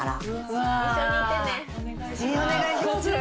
お願いします。